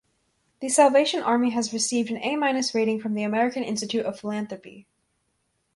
The Salvation Army has received an A- rating from the American Institute of Philanthropy.